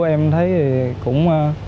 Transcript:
em thấy cũng